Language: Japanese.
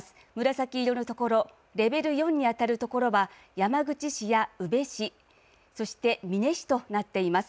紫色の所レベル４に当たる所は山口市や宇部市そして美祢市となっています。